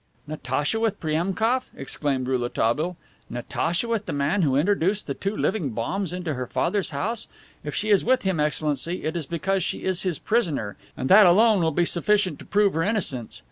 "Natacha with Priemkof!" exclaimed Rouletabille. "Natacha with the man who introduced the two living bombs into her father's house! If she is with him, Excellency, it is because she is his prisoner, and that alone will be sufficient to prove her innocence.